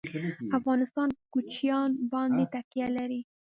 افغانستان په کوچیان باندې تکیه لري.